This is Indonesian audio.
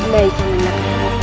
ya itu benar